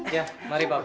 iya mari bapak